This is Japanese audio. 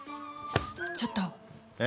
ちょっと！え？